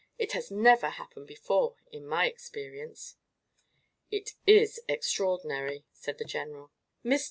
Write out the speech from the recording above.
It has never happened before in my experience." "It is extraordinary," said the general. "Mr.